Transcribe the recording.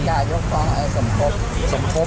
การสันติกายกคล้องสมคบ